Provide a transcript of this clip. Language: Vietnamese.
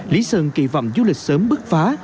lý sơn kỳ vọng du lịch sớm bước phá